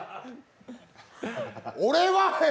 俺は？